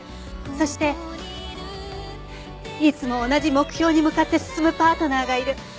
そしていつも同じ目標に向かって進むパートナーがいる。